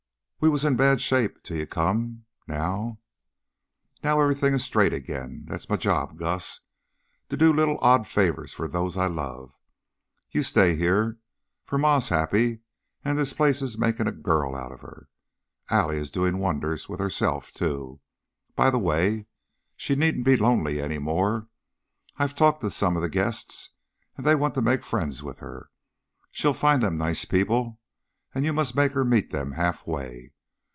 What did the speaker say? We was in bad shape till you come. Now " "Now everything is straight again. That's my job, Gus to do little odd favors for those I love. You must stay here, for Ma is happy, and this place is making a girl of her. Allie is doing wonders with herself, too. By the way, she needn't be lonely any more; I've talked to some of the guests, and they want to make friends with her. She'll find them nice people, and you must make her meet them halfway.